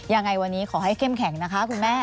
ยังไงวันนี้ขอให้เข้มแข็งนะคะคุณแม่